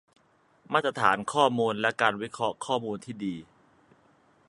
มาตรฐานข้อมูล และ การวิเคราะห์ข้อมูลที่ดี